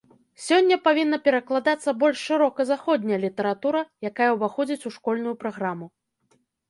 Сёння павінна перакладацца больш шырока заходняя літаратура, якая ўваходзіць у школьную праграму.